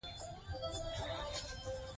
آیا مړی یې په درنښت ښخ سو؟